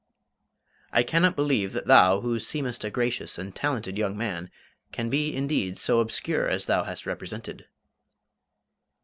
"I cannot believe that thou, who seemest a gracious and talented young man, can be indeed so obscure as thou hast represented."